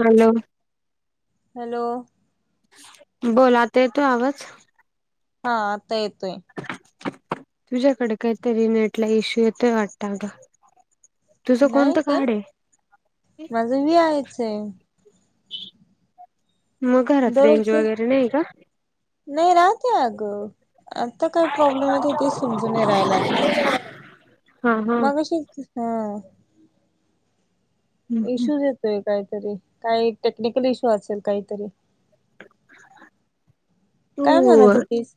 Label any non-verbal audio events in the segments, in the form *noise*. Hello hello बोलाते तू आवाज. हा आता येतोय. तुझ्याकडे काहीतरी नेट ला इश्यू येतोय वाटत बग- नाही का माझ विचारायचं. मगारात रेंज दररोजच वगैरे नाही का. नाही राहते अगं आता काय प्रॉब्लेम येत होती समजून राहायला. हा हा मगशी हा इशूज येतोय काहीतरी काही टेक्निकल इशू असेल काहीतरी काय म्हणत होतीस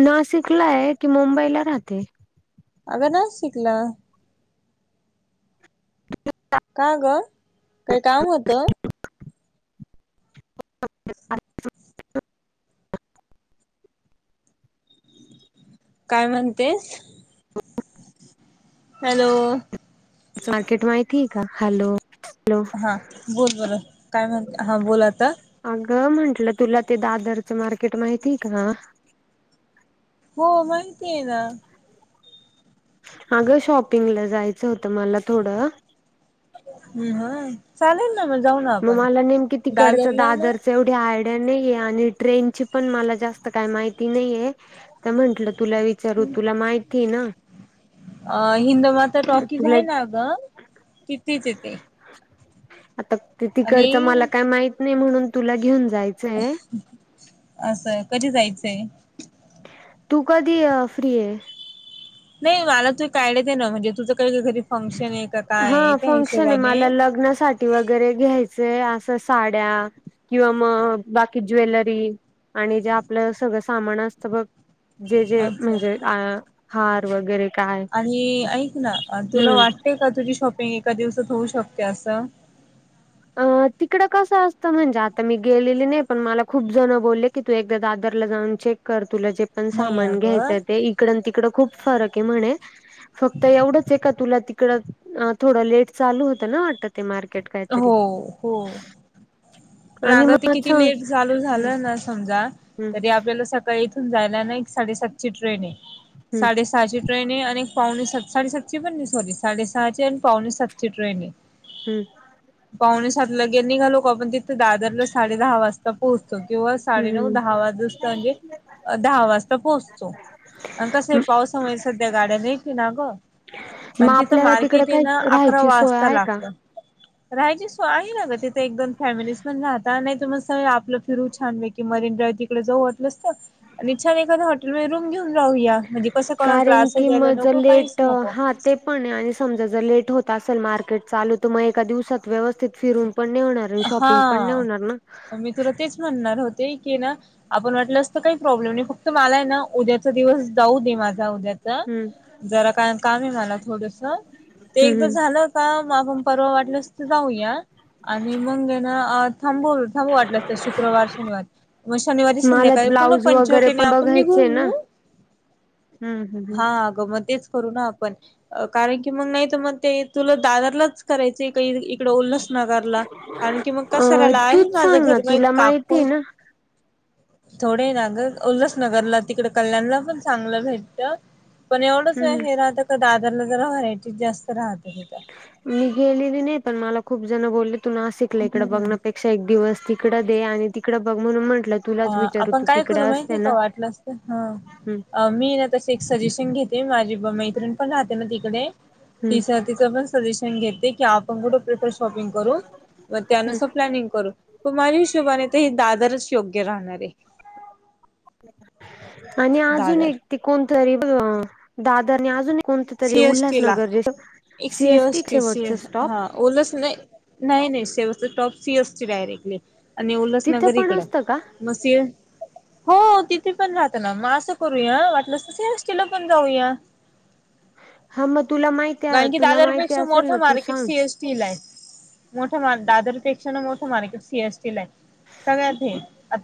ना शिकलाय की मुंबईला राहते अ ना शिकला *unintelligible* का ग काही काम होतं. काय म्हणतेस हॅलो मार्केट माहिती का हॅलो हॅलो हा बोल बोल काय म्हण हा बोल आता अगं म्हंटलं तुला ते दादरचं मार्केट माहितीय का हो माहिती आहे ना अगं शॉपिंगला जायचं होतं मला थोडं ह् हा चालेल ना जाऊ ना मग आपण मला नेमकीे तिकडचं दादरला ना दादर एवढी आयडिया नाहीे आणि ट्रेन ची पण मला जास्त काही माहिती नाही आहे तर म्हंटलं तुला विचारू तुला माहिती ना अ हिंदमाता ते टॉकीच तुला आहे ना ग तिथेच यथे आता ते तिकडच मला काय माहित नाही म्हणून तुला घेऊन जायचंय असं कध जायचंय तू कधी फ्री आहे नाही मला तू काळयच ना म्हणजे तुझं क कधी फंक्शन आहे का काय आहे हा त्या हिशोबाने घ आहे जे असं साड्या किंवा मग बाकी ज्वेलरी आणि जे आपलं सगळं सामान असतं बघ जे जे अच्छा म्हणजे अ हार वगैरे काय आणि ऐक ना हम्म तुला वाटतेय का तुझी शॉपिंग एका दिवसात होऊ शकते असं अ तिकडं कसं असतं म्हणजे आता मी गेलेली नाही पण मला खूप जण बोलले कि तू एकदा दादरला जाऊन चेक कर तुला जे पण नाही सामान अगं घ्यायचं ते तिकड तिकडं खूप फरक आहे म्हणे फक्त एवढंच आहे का तुला तिकडं थोडं लेट चालू होतं ना वाटत. मार्केट का हो हो पण आणि अग ते मग किती सांग लेट चालू हम्म झालं ना समजा हम्म तरी आपल्याला स इथून जायला ना एक साडेसात ची ट्रेन आहे हम्म साडेसहाची ट्रेने आणि पावनी स साडे सातचीे पन सॉरी साडे सहााते आणि पावणे सातची ट्रेने हम्म पाहुणे सात ला गिरणी. दादरला साडे दहा वाजता पोहोचतो किंवा साडे नऊ हम्म दहा वाज असत म्हणजे दहा वाजता पोहोचतो आणि कसं आहे हम्म पावसामुळे सध्या गाड्या न येत ना ग मग आणि तिथं आपल्याला तिकडं मार्केट ये काही ना अकरा राहायची सोय वाजता आहे का लागत राहायचीस आहे ना ग तिथे दोन फॅमिलीज पण राहत नाही त मग आपलं फिरू ानले की मरीन डाव्ह तिकडे जाऊ स आणिच्छान ए तु रूम घेऊन राहूया म्हणजे कसं कोणाला कारण त्रास आहे की द्यायला मग जर नको काहीच लेट नको हा ते पण आणि समजा जर लेट होत असेल मार्केट चालू तर मग एका दिवसात व्यवस्थित फिरून पण ने होणार शॉपिंग पण ने हा होणार ना मी तुला तेच म्हणणार होते की ना आपण वाटलं असतं काही प्रॉब्लेम नाही फत तर मला आहे ना उद्याचा दिवस जाऊ दे माझ जाऊ द्याच हम्म जरा का काम आहे मला थोडस ते हम्म एक हम्म झालं का आपण परवा वाटलंस तर जाऊया आणि मग ना थांबू थांबू वाटलं असत शुक्रवार शनिवार मग शनिवारी मला संध्याकाळी पुन्हा ब्लाऊज वगैरे पंचवटीने पण आपण निघून येऊ हम् हम हा आग मच करू ना आपण कारण की मग नाही तर मग ते तुला दादरलाच करायच काही तिकड ल्हस नाकारला कार की मग कस अ राहिला आहे तूच माझं सांग ना घर माही तुला माहिती आहे काकू ना थोडें आहे ना ग उल्हासनगरला तिकड कल्याणला पण चांगलं भेटत पण एवढंच हम्म. हे राहतं का दादरला जरा व्हरायटी जास्त राहत हे मी गेलेली नाही पण मला खूप जण बोलले तू नाशिकला इकड हम्म बघण्यापेक्षा क्ष एक दिवस तिकड दे आणि तिकड बघ म्हणून म्हंटलं अ तुलाच विचारू आपण तू काय तिकडे करू माहिती असते आहे ना. का वाटलं असत हम्म हा मी ना तसे एक सजेशन घेते माझी मैत्रिणी पण राहते ना तिकडे हम्म ति तिचं पण सजेशन घेते की आपण कुठे प्रिफर शॉपिंग करू मग हम्म. त्यानुसार प्लॅनिंग करू प माझ्या हिशोबाने तर हे दादरच योग्य राहणार आहे आणि अजून दादर एक त कोणतरी दादानी अजून कोणत तरी सीएसटी ला उल्हासनगर जे एक सीएसटी शेवटच सीएस स्टॉप हा ओलच नाही नाही नाही शेवस् टॉप सी अससची डायरेक्टली आणि तिथं उल्हासनगर पण इकड असतं का मस हो तिथे पण राहत ना मग असं करूया वाटलंला पण जाऊया हा मग तुला माहिती कारण की तुला माहिती दादरपेक्षा असेल मोठा ना तू मार्केट सांग सी एस ्टील आहे मोठ्या म् दादरपेक्षा ना मोठं मार्केट सीएसटीील आहे सगळ्यात हे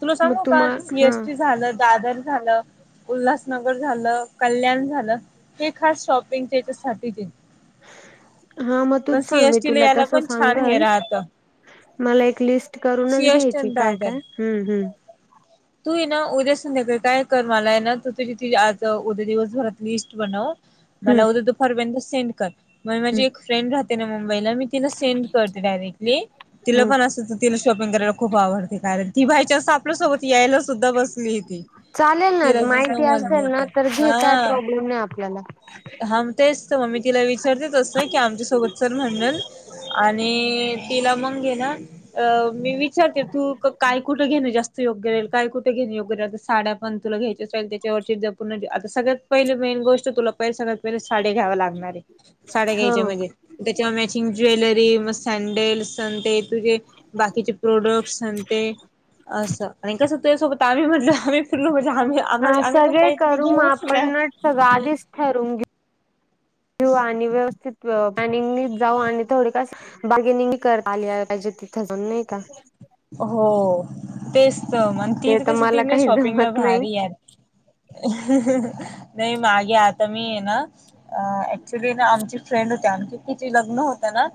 तुला मग सांगू का तुम्हा हा सीएसटी झालं दादर झालं उल्हासनगर झालं कल्याण झालं हे खास शॉपिंग त्याच्यासाठीच हा मग तूच सांग मी सीएसटी ला तुला याला तस पण छान हे सांगल राहतं मला एक लिस्ट करूनच सीएसटी घ्यायची आणि काय दादर काय हम्म हम् तू ये ना उद्या संध्याकाळी काय कर मलाय ना त तुझ आज उद्या दिवसभरात लिस्ट बनव मला हम्म उद्या दुपारपर्यंत सेंड कर मग माझी एक फ्रेंड राहते ना मुंबईला मी तिला सेंड करते डायरेक्टली तिला हम्म पण अस तिला शॉपिंग करायला खूप आवडते कारण ती बाईयच्या असं आपल्यासोबत यायला सुद्धा बसली चालेल ना तिराच माहिती असेल समजलं ना घे काय तर प्रॉब्लेम नाही आपल्याला हा तेच तर मग मी तिला विचारते त असं की आमच्यासोबत चल म्हणणल आणि तिला मंगे ना अ मी विचारते तू काय कुठं घेणं जास्त योग्य राहील काय कुठे योग्य राल तर साड्या पण तुला घ्यायच्या असेल त्याच्यार्ण सगळ्यात पहिली मेन गोष्ट तुला पहिले सगळ्यात पहिले साड्या घ्याव लागणारे साड्या ह घ्यायच्या म्हणजे त्याच्यावर मॅचिंग ज्वेलरी मग सँडेलस ते तुझे. बाकीचे प्रोडक्टस ते असं आणि कस सोबत आमही म्हणलं आम्ही फरलो आम्ही हा आम्हा आम्ही पण सगळे काहीतरी करू घेऊच ना आपण सगळं आधीच ठरून घेऊ घेऊ आणि व्यवस्थित पॅनिंग जाऊ आणि थोडे कास बार्गेनिंग कर आली पाहिजे तिथे जाऊन नाही का हो तेच तर म्हण ती ते तर कस मला ती ना काही शॉपिंगला जमत नाही भारी आहे नाही मागे आता मी ये ना अ ऍक्च्युली ना आमची फ्रेंड होती आमचे ति लग्न होत ना.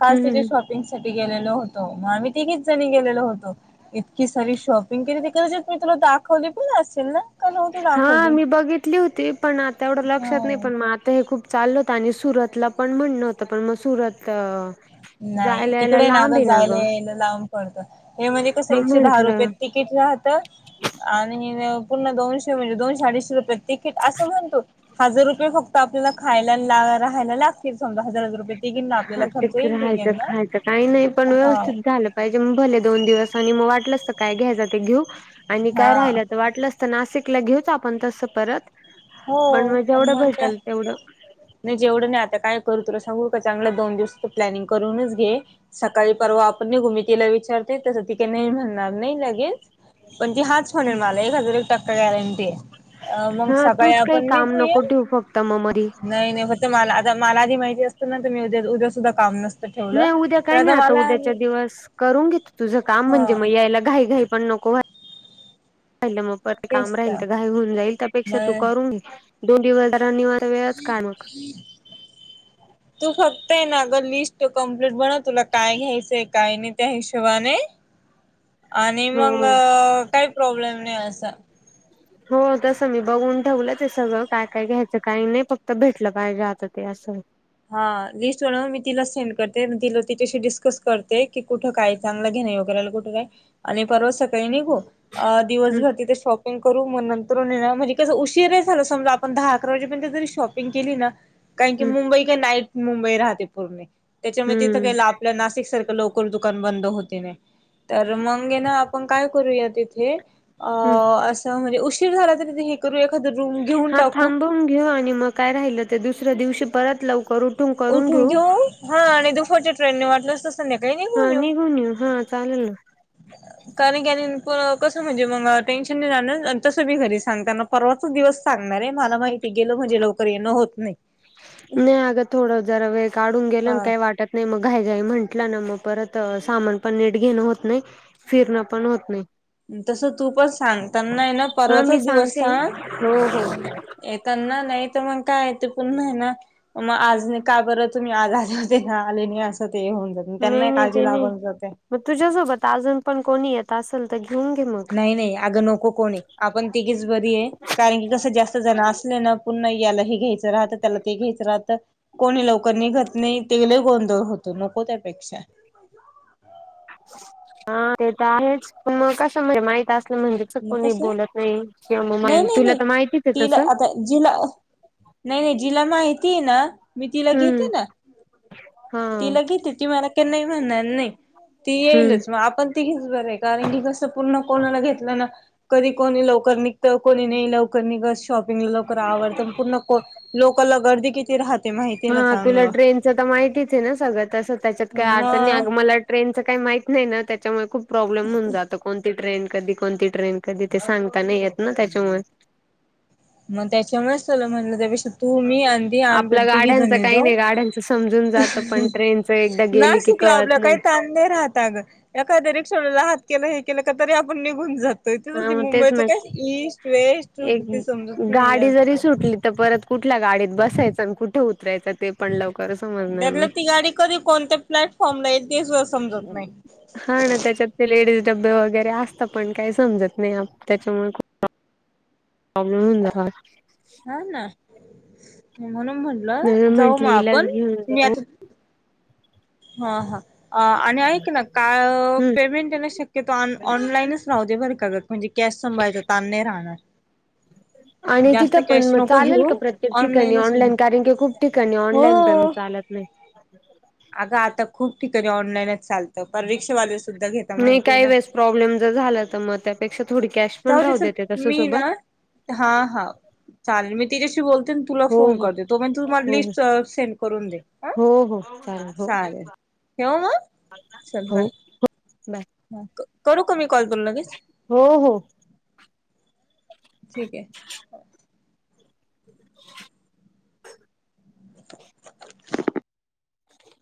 काल तिच्या हम्म शॉपिंग साठी गेलेलो होतो मग आम्ही ते. गेले होत इतकी सारी शॉपिंग केली ती कदाचित मी तुला दाखवली पण असेल ना. का नव्हती हा दाखवली मी बघितली होती पण आता एवढं लक्षात नाही हा पण मग आ तर हे खूप चाललं होतं. आणि सुरतला पण म्हणणं होतं पण मग सुरत नाही, जायला यायला तिकडे नाग लांब आहे ना जायला ग यायला लावून पडतं हे म्हणजे कसं मग एकशे दहा रुपयत म्हंटलं किती राहत. आणि पुन्हा दोनशे म्हणजे दोनशे अडीचशे रुपये तिकीट असं म्हणतो. हजार रुपये फक्त आपल्याला खायला राहायला लागतील समजा हजार हजार रुपये, तिघी ना आपल्याला खर्च. फास्टच येईल राहायचं तिघींना खायचं काही नाही पण हा व्यवस्थित झालं पाहिजे मग भले दोन दिवस आणि मग वाटलंसत काय घ्यायच ते घेऊ आणि हा काय राहिलं तर वाटलं. नाशिकला घेऊच आपण तसं परत हो पण मग जेवढं भेटल तेवढं नाही जेवढं नाही, आता काय करू तुला सांगू का चांगलं दोन दिवसच प्लॅनिंग करूनच घे सकाळी परवा आपण, निघू मी तिला विचारते तसं त काही नाही, म्हणणार नाही लगेच. पण ती हाच म्हणेल मला एक हजार एक टक्का गॅरंटी आहे मग हा सकाळी तूच काही आपण काम निघूया नको ठेव फक्त मग मरी. नाही नाही फक्त मला आ मला आधी माहिती असतं ना तर मी उद्या उद्या सुद्धा काम नसतो. नाही उद्या काय नाही आता उद्याच्या दिवस करून घेत तुझं काम म्हणजे हा मग यायला घई घाई पण नको लं मग पर ते काम राहील तर घाय घऊन जाईल तरपेक्षा तू मग करून घे दोन दिवस रनिवस वेळच काणक. तू फक्त आहे ना अगं लिस्ट कमप्लीट बन तुला काय घ्यायचंय काय नाही त्या हिशोबाने ह. आणि मग काही प्रॉब्लेम नाही असा हो तसं मी बघून ठेवलं ते सगळं काय काय घ्यायचं काही नाही फक्त भेटलं पाहिजे आता ते असं. हा लिस्ट बनव मी तिला सेंड करते तिला तिच्याशी डिस्कस करते. की कुठं काय चांगलं घेणे वगैरेला कुठं काय आणि परवा सकाळी हम्म दिवसभर तिथे पंग करू मग नंतर ना म्हणजे कसं उशीर झालं समजा आपण दहा अकरा वाजेपर्यंत जरी शॉपिंग केली ना. कारण की हम्म मुंबई का नाईट मुंबई राहते पूर्णे त्याच्यामुळे तिथं काही हम्म ला आपल्या नाशिक सारखं लोकरल दुकान बंद होते नाही तर मग ये ना आपण काय करूया तिथे हम्म आस उश शिर झाला तरी हे करू एखाद रूम घेऊन टाकू घे आणि मग काय राहिलं ते दुसऱ्या दिवशी परत लवकर उठून करून उठून घेऊ हा आणि दुपटच्या ट्रेनने वाटलं असत. हा निघून येऊ हा चालेल ना. कारण की कसं म्हणजे मग टेन्शन नाही. जाण तसं बी घरी सांगताना परवाच दिवस सांगणार आहे मला माहिती गेल म्हणजे लवकर येणं होत नाही. नाही, अगं थोडं जरा वेळ काढून गेलं हा काही वाटत. नाही मग घाई घाई म्हंटलं ना मग परत सामान पण नेट घेणं होत नाही. फिरणं पण होत नाही. तसं तू पण सांगता नाही ना हा मी परवाचाच दिवस सांगते स हो हो त्यांना नाही तर मग काय य ते पुन्हा आहे, ना मग आज काय बत तुम्ही आज आजतेना आले नाही असं ते होऊन जात नाही त्यांनाही नाही काळजी ते नाही लागवून जाते मग तुझ्यासोबत अजून पण कोणी येत. असेल तर घेऊन घे मग नाही नाही अगं नको कोणी आपण तिघीच बरी आहे कारण की कसं जास्त जण असले ना पुन्हा याला हे घ्यायचं राहतं त्याला ते घ्यायचं राहतं कोणी लवकर निघत नाही ते लय गोंधळ होतो नको त्यापेक्षा हा ते तर आहेच पण मग कस म्हण माहित असलं म्हणजे मग कोणी कसं बोलत नाही किंवा नाही मग नाही तुला नाही तर माहितीच आहे तिला तसं आता जिला नाही नाही जिला माहिती आहे ना मी तिला हम्म घेते ना हा तिला घेते ती मला का नाही म्हणणार नाही ती येईलच मग आपण तीघेच बरं आहे कारण की कस पूर्ण कोणाला घेतलं ना कधी कोणी लवकर निकते तर कोणी नाही लवकर निघ शॉपिंगला लवकर आवडत प पूर्ण लोकला गर्दी किती राहत हा तुला ट्रेनचं तर माहितीच आहे ना सगळं तसं त्यांच्यात काही अडचण मग नाही मला ट्रेनचं काही माहित नाही ना त्यांच्यामुळे खूप प्रॉब्लेम होऊन जातं कोणती ट्रेन कधी कोणती ट्रेन कधी ते सांगता नाही येत ना त्यांच्यामुळे मग त्यांच्यामुळेच चला म्हणलं त्यापेक्ष तू मी अधी आणि आपल्या तिघी गाड्यांचं जाणी काही जाऊ नाही गाड्यांचं समजून जातं पण ट्रेनच एकदा गेली नाही की सुकलं कळत आपलं नाही काही तां नाही राहत अ ग एखाद्या रिक्षा राहात के हे केलं का तरी आपण निघून जात हा तरथेच मग तेच मुंबईच ना काय ईस्ट वेस्ट एक ते समजा गाडी जरी सुटली तर परत कुठल्या गाडीत बसायचं आणि कुठे उतरायचं ते पण लवकर समज त्याला ती गाडी कधी कोणत्या प्लॅटफॉर्मला येईल दिस वाज हम् हा ना त्याच्यात ते लेडीज डबे वगैरे असतात पण काही समजत नाही त्यांच्यामुळे प्रॉब्लेम हो जा हा ना म्हणून म्हटलं म्हणून जाऊ म्हंटलं मग हिलाच आपण घेऊन मी आता *unintelligible* हा हा आणि ऐक ना का हम्म पेमेंट आहेना शक्यतो ऑनलाईनच राव बर कात म्हणजे कॅश सांभाळायचा तान राहणार नाही आणि तिथं पण मग नको चालेल का घेऊ प्रत्येक ठिकाणी ऑनलाईनच होऊ ऑनलाईन दे. कारण की खूप ठिकाणी ऑनलाईन पेमेंट चालत नाही अग आता खूप ठिकाणी ऑनलाईनच चालतं पर रिक्षेवाले सुद्धा घेता नाही माहितीय आहे काही ना वेळेस प्रॉब्लेम जर झाला तर मग त्यापेक्षा थोडी कॅश पण जाऊ दे राहू चल देते तसेच मी ना सोबत हा हा चालेल मी तिच्याशी बोलते तुला हो फोन हो कर दे तो म तुला हो हो लिस्ट सेंड करून दे ह हो हो हो चालेल ठेव मग चल हो बाय बाय ह करू का मी कॉल तुला लगेच हो हो ठीक आहे *unintelligible* *unintelligible* *unintelligible*